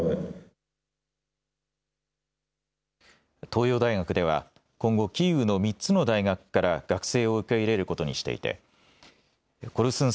東洋大学では今後、キーウの３つの大学から学生を受け入れることにしていてコルスン